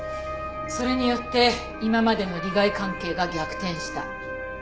それによって今までの利害関係が逆転した。